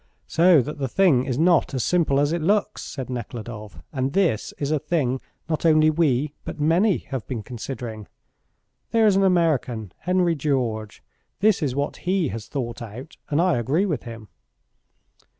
"So that the thing is not as simple as it looks," said Nekhludoff, "and this is a thing not only we but many have been considering. There is an American, Henry George. This is what he has thought out, and I agree with him."